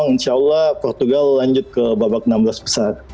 insya allah portugal lanjut ke babak enam belas besar